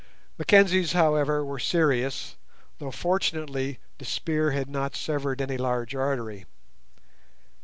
Mackenzie's, however, were serious, though fortunately the spear had not severed any large artery.